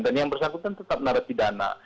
dan yang bersangkutan tetap naruh pidana